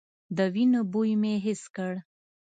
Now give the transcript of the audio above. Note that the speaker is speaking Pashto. د وينو بوی مې حس کړ.